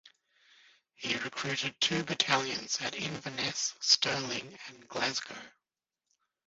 He recruited two battalions at Inverness, Stirling and Glasgow.